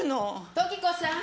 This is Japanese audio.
時子さん！